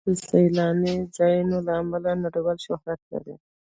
افغانستان د سیلاني ځایونو له امله نړیوال شهرت لري.